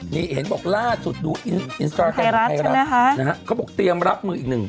นี่เห็นบอกล่าสุดดูไทยรัฐใช่มั้ยคะนะฮะเขาบอกเตรียมรับมืออีกหนึ่ง